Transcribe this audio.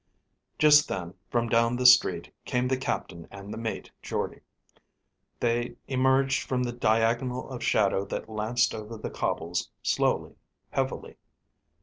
Just then, from down the street, came the captain and the mate, Jordde. They emerged from the diagonal of shadow that lanced over the cobbles, slowly, heavily.